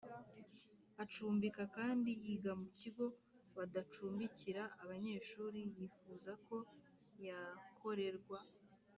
Acumbika Kandi Yiga Mu Kigo Badacumbikira Abanyeshuri Yifuza Ko Yakorerwa